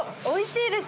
おいしい。